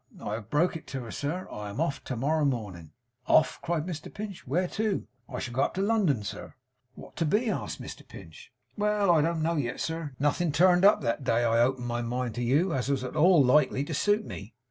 'I have broke it to her, sir. I am off to morrow morning.' 'Off!' cried Mr Pinch, 'where to?' 'I shall go up to London, sir.' 'What to be?' asked Mr Pinch. 'Well! I don't know yet, sir. Nothing turned up that day I opened my mind to you, as was at all likely to suit me.